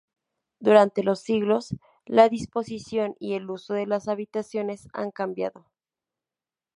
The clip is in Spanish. Durante los siglos, la disposición y el uso de las habitaciones han cambiado.